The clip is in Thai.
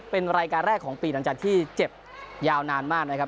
เป็นรายการแรกของปีหลังจากที่เจ็บยาวนานมากนะครับ